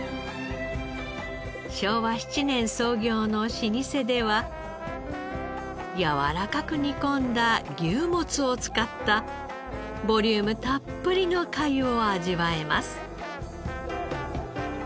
昭和７年創業の老舗ではやわらかく煮込んだ牛モツを使ったボリュームたっぷりの粥を味わえます。